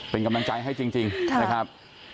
เป็นกำลังใจให้จริงนะครับ